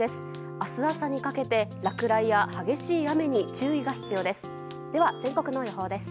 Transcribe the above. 明日朝にかけて落雷や激しい雨に注意が必要です。